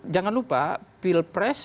jangan lupa pilpres